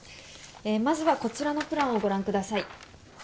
えぇまずはこちらのプランをご覧ください。